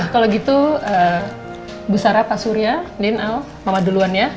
kalau gitu bu sara pak surya din al mama duluan ya